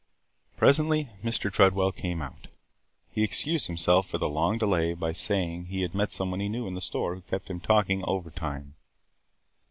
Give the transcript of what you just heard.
Presently Mr. Tredwell came out. He excused himself for the long delay by saying he had met some one he knew in the store who kept him talking overtime.